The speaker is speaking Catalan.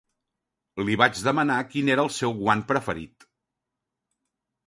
Li vaig demanar quin era el seu guant preferit.